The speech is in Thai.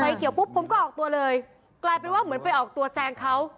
เขียวปุ๊บผมก็ออกตัวเลยกลายเป็นว่าเหมือนไปออกตัวแซงเขา